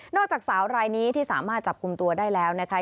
จากสาวรายนี้ที่สามารถจับกลุ่มตัวได้แล้วนะคะ